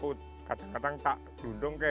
oke ada ejik lagi ada suara juga